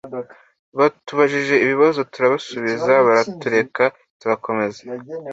Batubajije ibibazo turabasubiza baratureka turakomeza